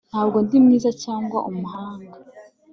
ntabwo ndi mwiza cyangwa umuhanga